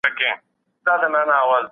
پانګوال بايد انصاف وکړي.